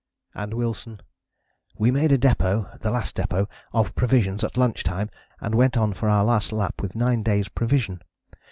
" And Wilson: "We made a depôt [The Last Depôt] of provisions at lunch time and went on for our last lap with nine days' provision.